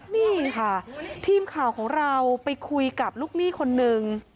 นี่ค่ะทีมข่าวของเราไปคุยกับลูกหนี้คนนึง